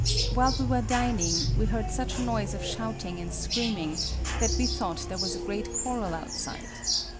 While we were dicing, we heard such a noise of shouting and screaming that we thought there was a great quarrel outside.